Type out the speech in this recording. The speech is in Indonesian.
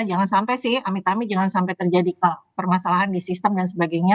jangan sampai sih amit ami jangan sampai terjadi permasalahan di sistem dan sebagainya